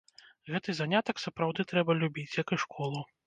Гэты занятак сапраўды трэба любіць, як і школу.